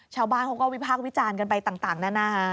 ชาวบ้านเขาก็วิพากษ์วิจารณ์กันไปต่างนานา